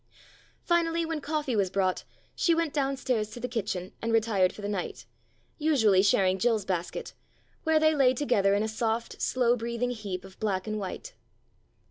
Finally, when coffee was brought, she went downstairs to the kitchen and retired for the night, usually sharing Jill's basket, where they lay together in a soft slow breathing heap of black and white.